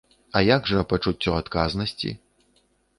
А як жа пачуццё адказнасці?